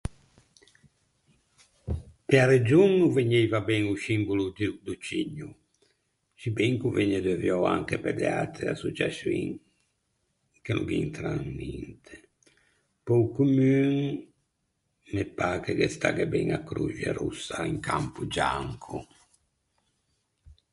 Pe-a region o vegnieiva ben o scimbolo di o do cigno, sciben ch’o vëgne deuviou anche pe de atre associaçioin, che no gh’intran ninte. Pe-o commun, me pâ che ghe stagghe ben a croxe rossa in campo gianco.